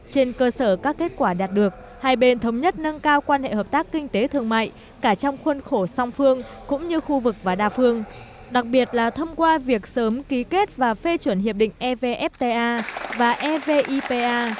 trên cơ sở các kết quả đạt được hai bên thống nhất nâng cao quan hệ hợp tác kinh tế thương mại cả trong khuôn khổ song phương cũng như khu vực và đa phương đặc biệt là thông qua việc sớm ký kết và phê chuẩn hiệp định evfta và evipa